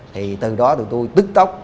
thì từ đó tụi tôi tức tốc